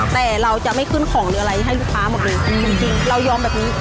แต่เราจะไม่ขึ้นของหรืออะไรให้ลูกค้าหมดเลยจริงเรายอมแบบนี้